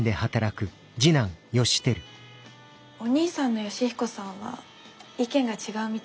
お兄さんの義彦さんは意見が違うみたいでしたけど。